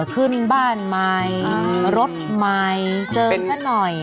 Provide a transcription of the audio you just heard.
ขึ้นบ้านใหม่รถใหม่เจอซะหน่อย